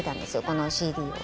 このＣＤを。